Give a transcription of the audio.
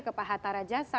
ke pak hatta rajasa